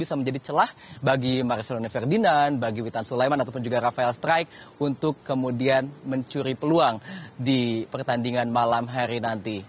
bisa menjadi celah bagi marcelona ferdinand bagi witan sulaiman ataupun juga rafael strike untuk kemudian mencuri peluang di pertandingan malam hari nanti